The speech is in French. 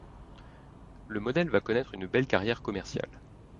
Le modèle va connaître une belle carrière commerciale.